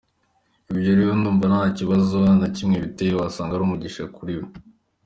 Ibyo rero ndumva nta kibazo na kimwe biteye, wasanga ari umugisha kuri we.